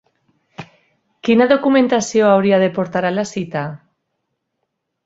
Quina documentació hauria de portar a la cita?